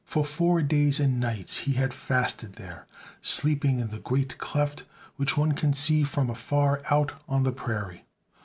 For four days and nights he had fasted there, sleeping in the great cleft which one can see from far out on the prairie.